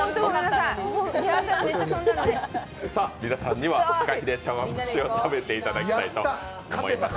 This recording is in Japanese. さあ、皆さんにはフカヒレ茶碗蒸しを食べていただきたいと思います。